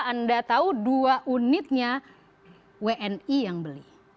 anda tahu dua unitnya wni yang beli